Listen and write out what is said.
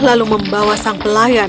lalu membawa sang pelayan